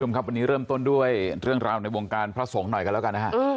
คุณผู้ชมครับวันนี้เริ่มต้นด้วยเรื่องราวในวงการพระสงฆ์หน่อยกันแล้วกันนะฮะ